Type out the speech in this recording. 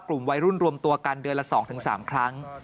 กลุ่มวัยรุ่นรวมตัวกันเดือนละ๒๓ครั้ง